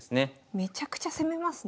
めちゃくちゃ攻めますね。